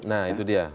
nah itu dia